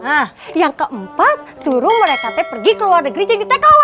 nah yang keempat suruh mereka teh pergi ke luar negeri jadi tkw